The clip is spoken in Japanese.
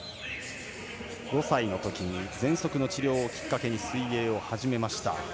５歳のとき、ぜんそくの治療をきっかけに水泳を始めました。